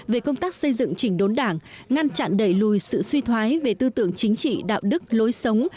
về công tác xây dựng chỉnh đốn đảng ngăn chặn đẩy lùi sự suy thoái về tư tưởng chính trị đạo đức lối sống